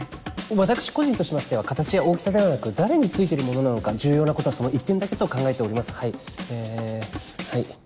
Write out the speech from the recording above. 私個人としましては形や大きさではなく誰についてるものなのか重要なことはその一点だけと考えておりますはいえはい。